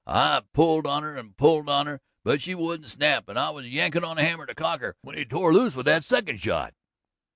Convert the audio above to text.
I pulled on her and pulled on her, but she wouldn't snap, and I was yankin' at the hammer to cock her when he tore loose with that second shot.